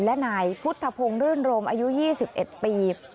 และนายพุทธพงศ์รื่นโรมอายุ๒๑ปี